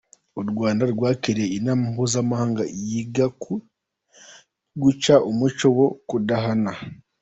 U Rwanda rwakiriye inama mpuzamahanga yiga ku guca umuco wo kudahana .